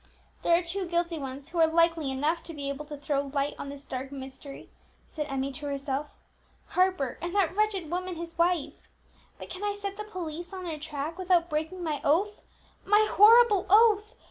"There are two guilty ones who are likely enough to be able to throw light on this dark mystery," said Emmie to herself; "Harper, and that wretched woman his wife. But can I set the police on their track without breaking my oath, my horrible oath?